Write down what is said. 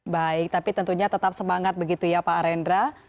baik tapi tentunya tetap semangat begitu ya pak arendra